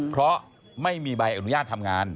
เพราะไม่มีใบอนุญาตทำงาน